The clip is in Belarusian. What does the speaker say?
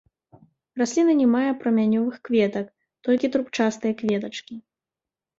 Расліна не мае прамянёвых кветак, толькі трубчастыя кветачкі.